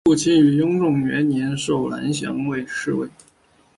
傅清于雍正元年授蓝翎侍卫。